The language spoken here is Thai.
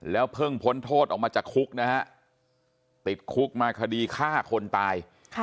เพิ่งพ้นโทษออกมาจากคุกนะฮะติดคุกมาคดีฆ่าคนตาย